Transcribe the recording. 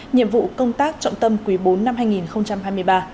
nhiệm vụ công tác trọng tâm quý bốn năm hai nghìn hai mươi ba